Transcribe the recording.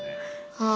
はい。